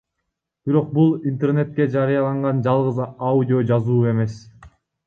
Бирок бул интернетке жарыяланган жалгыз аудиожазуу эмес.